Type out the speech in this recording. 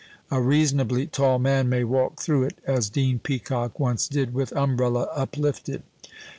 A reasonably tall man may walk through it (as Dean Peacock once did) with umbrella uplifted.